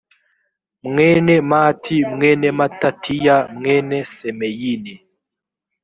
mwene mati mwene matatiya mwene semeyini